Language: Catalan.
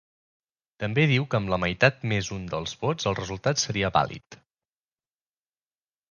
També diu que amb la meitat més un dels vots el resultat seria vàlid.